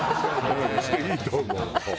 していいと思うもう。